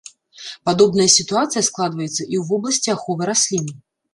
Падобная сітуацыя складваецца і ў вобласці аховы раслін.